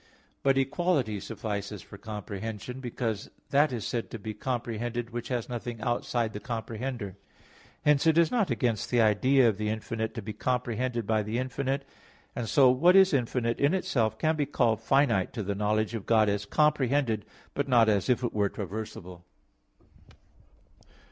But equality suffices for comprehension, because that is said to be comprehended which has nothing outside the comprehender. Hence it is not against the idea of the infinite to be comprehended by the infinite. And so, what is infinite in itself can be called finite to the knowledge of God as comprehended; but not as if it were traversable.